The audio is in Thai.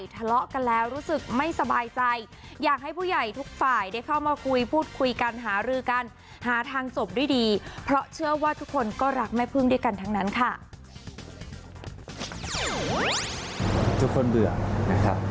ทุกคนเบื่อนะครับ